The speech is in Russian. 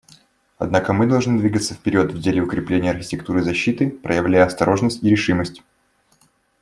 Однако мы должны двигаться вперед в деле укрепления архитектуры защиты, проявляя осторожность и решимость.